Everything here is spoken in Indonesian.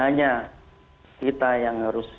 hanya kita yang harus